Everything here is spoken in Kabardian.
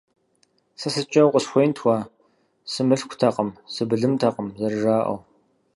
Сэ сыткӀэ укъысхуеинт уэ, сымылъкутэкъым, сыбылымтэкъым, зэрыжаӀэу.